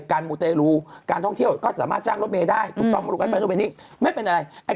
การมุเตรูการท่องเที่ยวก็สามารถจ้างรถเมย์ได้ถูกต้องไปรถเมย์นิ่งไม่เป็นอะไร